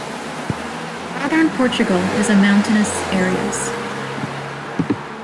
Northern Portugal is a mountainous areas.